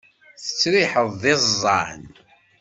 Tettriḥeḍ d iẓẓan.